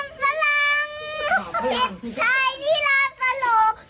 เทศยาลาตัดเต็ดไทยไทยมันเต็ด